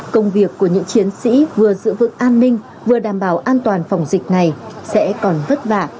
công việc của những chiến sĩ vừa giữ vững an ninh vừa đảm bảo an toàn phòng dịch này sẽ còn vất vả